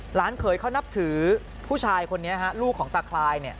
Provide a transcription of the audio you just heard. เขยเขานับถือผู้ชายคนนี้ฮะลูกของตาคลาย